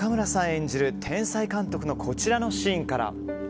演じる天才監督のこちらのシーンから。